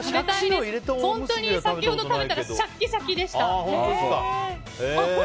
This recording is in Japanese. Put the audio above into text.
本当に先ほど食べたらシャキシャキでした。